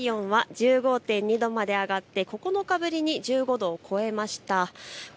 都心のきょうの最高気温は１５．２度まで上がって９日ぶりに１５度を超えました。